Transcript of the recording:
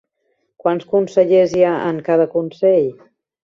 Quants consellers hi ha en cada consell?